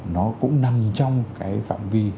nó cũng nằm trong cái phạm vi